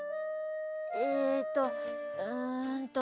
えとうんと。